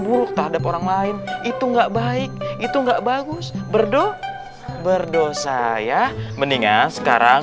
buruk terhadap orang lain itu enggak baik itu enggak bagus berdoa berdosa ya mendingan sekarang